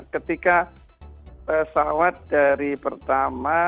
ketika pesawat dari pertama